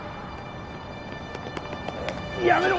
やめろ！